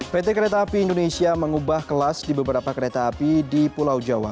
pt kereta api indonesia mengubah kelas di beberapa kereta api di pulau jawa